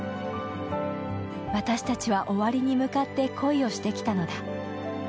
私たちは終わりに向かって恋をしてきたのだ。